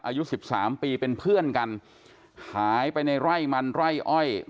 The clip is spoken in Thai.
อายุสิบสามปีเป็นเพื่อนกันหายไปในไร่มันไร่อ้อย